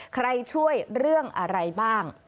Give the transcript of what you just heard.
ช่วยเรื่องอะไรบ้าง